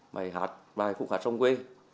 mày hát bài phục hạt sông quê